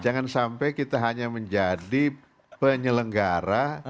jangan sampai kita hanya menjadi penyelenggara